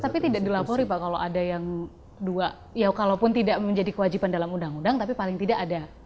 tapi tidak dilapori pak kalau ada yang dua ya kalaupun tidak menjadi kewajiban dalam undang undang tapi paling tidak ada